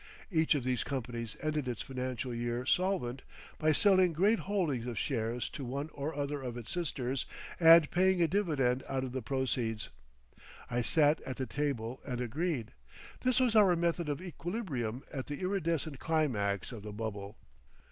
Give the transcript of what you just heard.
Each of these companies ended its financial year solvent by selling great holdings of shares to one or other of its sisters, and paying a dividend out of the proceeds. I sat at the table and agreed. That was our method of equilibrium at the iridescent climax of the bubble.